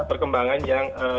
ada perkembangan yang cukup bagus